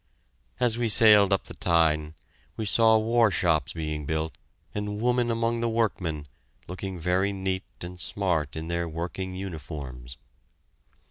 As we sailed up the Tyne, we saw war shops being built, and women among the workmen, looking very neat and smart in their working uniforms.